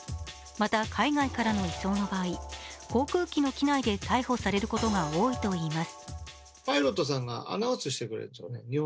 また、海外からの移送の場合航空機の機内で逮捕されることが多いといいます。